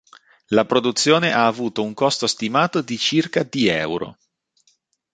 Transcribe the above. La produzione ha avuto un costo stimato di circa di euro.